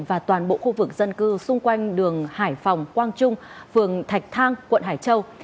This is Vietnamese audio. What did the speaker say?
và toàn bộ khu vực dân cư xung quanh đường hải phòng quang trung phường thạch thang quận hải châu